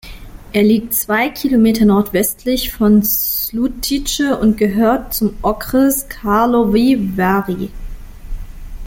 Er liegt zwei Kilometer nordwestlich von Žlutice und gehört zum Okres Karlovy Vary.